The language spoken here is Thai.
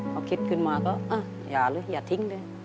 พอคิดขึ้นมาก็อย่าเลยอย่าทิ้งเลย